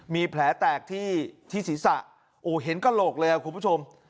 มีแผลแตกที่ศีรษะโอ้เห็นกระโหลกเลยครับคุณผู้ชม